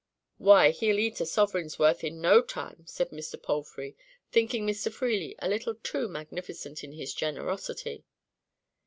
"Why, he'll eat a sovereign's worth in no time," said Mr. Palfrey, thinking Mr. Freely a little too magnificent in his generosity.